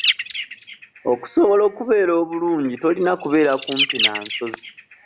Okusobola okubeera obulungi, tolina kubeera kumpi na nsozi.